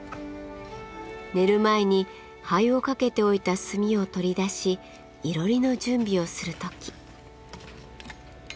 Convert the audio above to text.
寝る前に灰をかけておいた炭を取り出しいろりの準備をする時。